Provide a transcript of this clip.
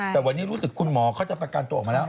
แต่วันนี้รู้สึกคุณหมอเขาจะประกันตัวออกมาแล้ว